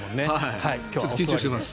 ちょっと緊張しています。